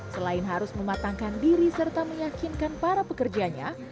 selain harus mematangkan diri serta meyakinkan para pekerjanya